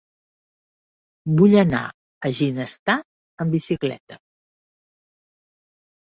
Vull anar a Ginestar amb bicicleta.